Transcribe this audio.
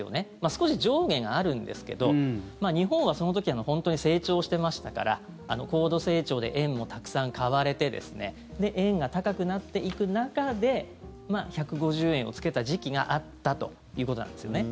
少し上下があるんですけど日本はその時本当に成長してましたから高度成長で円もたくさん買われて円が高くなっていく中で１５０円をつけた時期があったということなんですよね。